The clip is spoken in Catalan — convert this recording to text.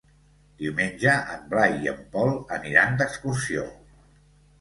Diumenge en Blai i en Pol aniran d'excursió.